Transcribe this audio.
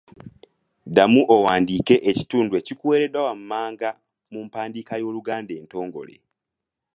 Ddamu owandiike ekitundu ekikuweereddwa wammanga mu mpandiika y’Oluganda entongole.